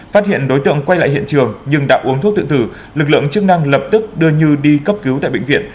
phát hiện đối tượng quay lại hiện trường nhưng đã uống thuốc tự thử lực lượng chức năng lập tức đưa như đi cấp cứu tại bệnh viện